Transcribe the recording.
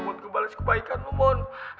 untuk bales kebaikan lo mon